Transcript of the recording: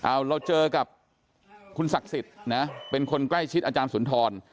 เอาเราเจอกับคุณศักดิ์สิทธิ์นะเป็นคนใกล้ชิดอาจารย์สุนทร